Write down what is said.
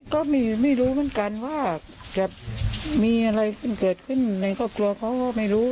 ก็มีไม่รู้เหมือนกันว่าแบบมีอะไรเกิดขึ้นในก็กลัวเพราะไม่รู้